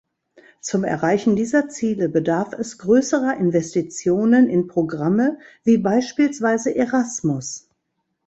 Zum Erreichen dieser Ziele bedarf es größerer Investitionen in Programme wie beispielsweise Erasmus.